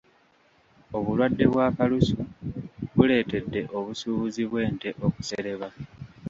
Obulwadde bwa kalusu buleetedde obusuubuzi bw’ente okusereba.